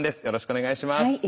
よろしくお願いします。